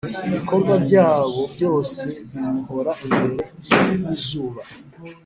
Ibikorwa byabo byose bimuhora imbere nk’izuba,